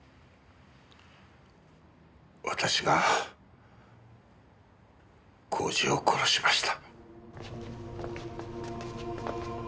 私が耕治を殺しました。